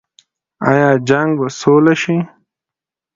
آیا جنګ به سوله شي؟